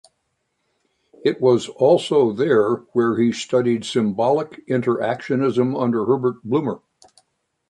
It was also there where he studied symbolic interactionism under Herbert Blumer.